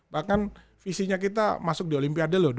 bahkan visinya kita masuk di olimpiade loh